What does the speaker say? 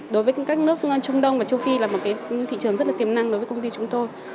đối với các nước trung đông và châu phi là một cái thị trường rất tiềm năng đối với công ty chúng tôi